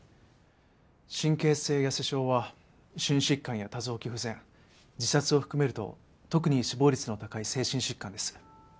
神経性やせ症は心疾患や多臓器不全自殺を含めると特に死亡率の高い精神疾患です。